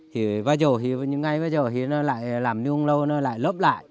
thì bây giờ thì ngay bây giờ thì nó lại làm nương lâu nó lại lấp lại